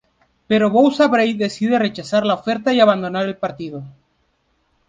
Pero Bouza-Brey decide rechazar la oferta y abandonar el partido.